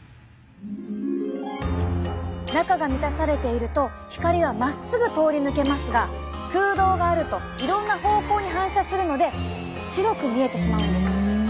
中が満たされていると光はまっすぐ通り抜けますが空洞があるといろんな方向に反射するので白く見えてしまうんです。